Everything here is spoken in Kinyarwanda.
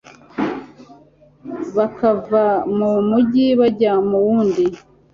bakava mu mugi bajya mu wundi